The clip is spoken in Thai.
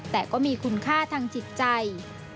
แต่ก็มีคุณค่าทางจิตใจ